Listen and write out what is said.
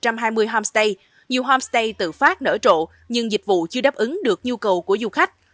huyện phú quý có khoảng một trăm hai mươi homestay nhiều homestay tự phát nở trộ nhưng dịch vụ chưa đáp ứng được nhu cầu của du khách